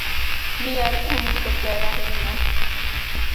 Miel emudho ber ahinya